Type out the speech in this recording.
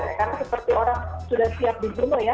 karena seperti orang sudah siap dibunuh ya